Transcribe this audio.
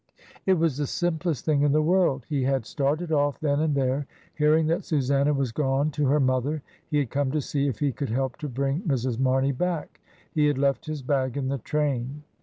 It was the simplest thing in the world. He had started off then and there, hearing that Susanna was gone to her mother; he had come to see if he could help to bring Mrs. Mamey back; he had left his bag in the train.